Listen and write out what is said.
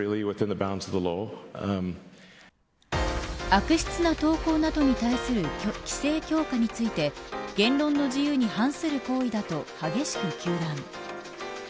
悪質な投稿などに対する規制強化について言論の自由に反する行為だと激しく糾弾。